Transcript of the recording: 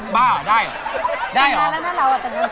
มาแล้วนะเรา